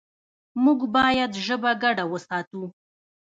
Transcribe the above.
موږ باید ژبه ګډه وساتو.